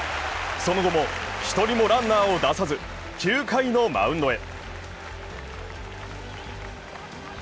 その後も１人もランナーを出さず、９回のマウンドへ。